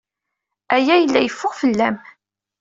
Aya yella yeffeɣ fell-am.